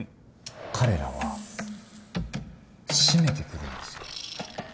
彼らは締めてくるんですよ。